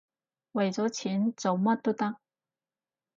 為咗錢，做乜都得